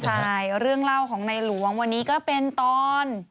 ใช่เรื่องเล่าของในหลวงวันนี้ก็เป็นตอน